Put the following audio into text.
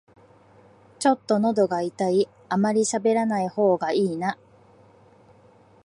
ちょっとのどが痛い、あまりしゃべらない方がいいな